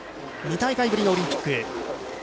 ２大会ぶりのオリンピック。